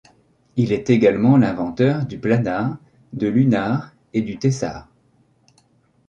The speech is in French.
Il est également l'inventeur du Planar, de l'Unar et du Tessar.